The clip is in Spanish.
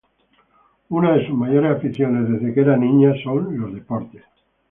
Una de sus mayores aficiones, desde que era niña, son los deportes.